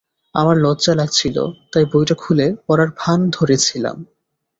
আমার লজ্জা লাগছিল, তাই বইটা খুলে পড়ার ভান ধরেছিলাম।